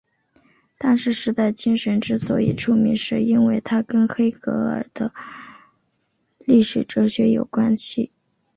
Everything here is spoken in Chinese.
但是时代精神之所以出名是因为它跟黑格尔的历史哲学有关系。